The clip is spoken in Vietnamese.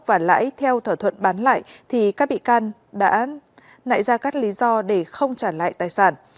và lãi theo thỏa thuận bán lại thì các bị can đã nại ra các lý do để không trả lại tài sản